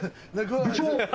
部長！